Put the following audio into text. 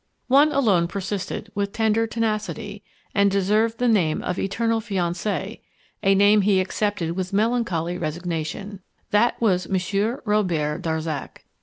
One alone persisted with tender tenacity and deserved the name of "eternal fiance," a name he accepted with melancholy resignation; that was Monsieur Robert Darzac.